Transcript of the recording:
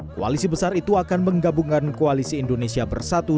koalisi besar itu akan menggabungkan koalisi indonesia bersatu